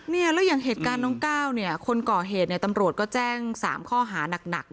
แล้วอย่างเหตุการณ์น้องก้าวคนก่อเหตุตำรวจแจ้ง๓ข้อหานัก